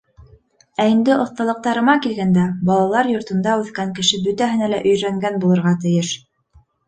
Ә инде «оҫталыҡтарыма» килгәндә, балалар йортонда үҫкән кеше бөтәһенә лә өйрәнгән булырға тейеш.